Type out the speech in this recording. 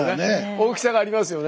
大きさがありますよね。